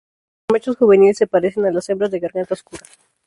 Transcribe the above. Los machos juveniles se parecen a las hembras de garganta oscura.